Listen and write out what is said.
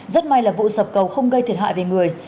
rất may là vụ sập cầu không gây thiệt hại về người